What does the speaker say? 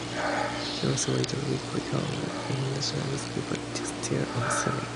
He also writes a weekly column in national newspaper, "The Star on Sunday".